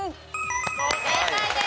正解です。